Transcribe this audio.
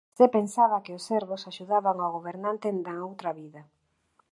Se pensaba que os servos axudaban ao gobernante na outra vida.